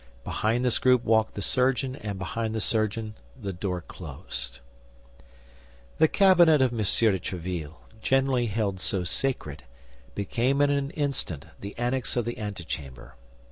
Behind this group walked the surgeon; and behind the surgeon the door closed. The cabinet of M. de Tréville, generally held so sacred, became in an instant the annex of the antechamber.